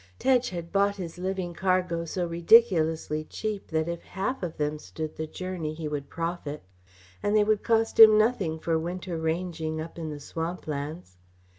Tedge had bought his living cargo so ridiculously cheap that if half of them stood the journey he would profit. And they would cost him nothing for winter ranging up in the swamp lands.